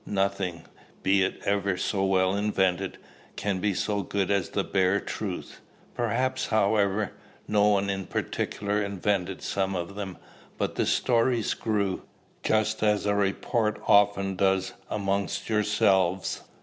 Nothing, be it ever so well invented, can be so good as the bare truth. Perhaps, however, no one in particular invented some of them, but the stories grew, just as a report often does amongst yourselves.